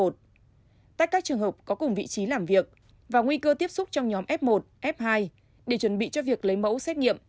tách các trường hợp có cùng vị trí làm việc và nguy cơ tiếp xúc trong nhóm f một f hai để chuẩn bị cho việc lấy mẫu xét nghiệm